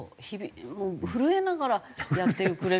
震えながらやってくれるんだったら。